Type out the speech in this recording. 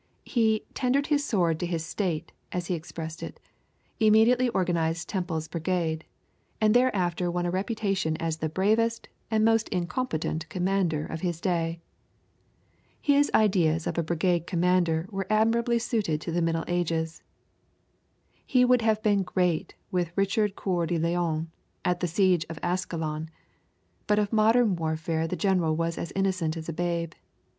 He "tendered his sword to his State," as he expressed it, immediately organized Temple's Brigade, and thereafter won a reputation as the bravest and most incompetent commander of his day. His ideas of a brigade commander were admirably suited to the middle ages. He would have been great with Richard Coeur de Lion at the siege of Ascalon, but of modern warfare the general was as innocent as a babe.